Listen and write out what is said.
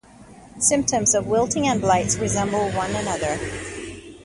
Symptoms of wilting and blights resemble one another.